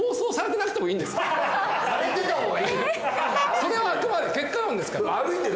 それはあくまで結果論ですから。